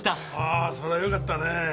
ああそれはよかったねえ。